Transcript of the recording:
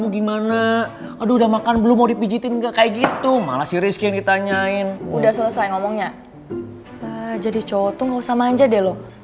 jadi cowok tuh gak usah manja deh lo